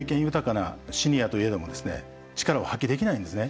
いくら、経験豊かなシニアといえどもですね力を発揮できないんですね。